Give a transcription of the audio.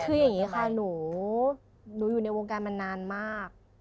คืออย่างนี้ค่ะหนูอยู่ในวงการมานานมาก